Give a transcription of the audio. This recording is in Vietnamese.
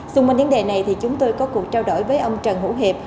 xung quanh vấn đề này thì chúng tôi có cuộc trao đổi với ông trần hữu hiệp